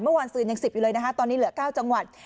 เมื่อคืนซืนยัง๑๐อยู่เลยนะคะตอนนี้เหลือ๙จังหวัด